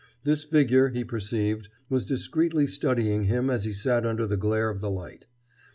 This figure, he perceived, was discreetly studying him as he sat under the glare of the light.